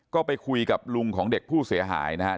ก็ไปคุยกับลุงของเด็กผู้เสียหายนะครับ